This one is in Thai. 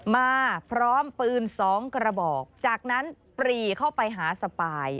มาพร้อมปืน๒กระบอกจากนั้นปรีเข้าไปหาสปาย